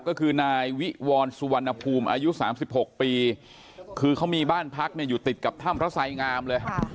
ก็คือนายวิวรสุวรรณภูมิอายุ๓๖ปีคือเขามีบ้านพักเนี่ยอยู่ติดกับถ้ำพระไสงามเลย